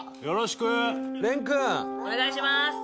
よろしくお願いします。